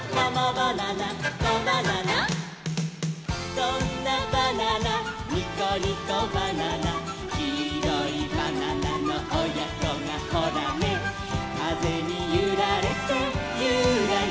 「そんなバナナニコニコバナナ」「きいろいバナナのおやこがホラネ」「かぜにゆられてユラユラ」